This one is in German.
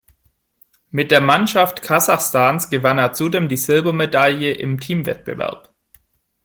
Mit der Mannschaft Kasachstans gewann er zudem die Silbermedaille im Teamwettbewerb.